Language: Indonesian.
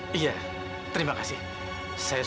saya harus permanfaatimoto